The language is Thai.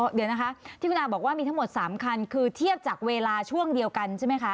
เดี๋ยวนะคะที่คุณอาบอกว่ามีทั้งหมด๓คันคือเทียบจากเวลาช่วงเดียวกันใช่ไหมคะ